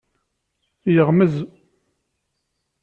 Yeɣmez.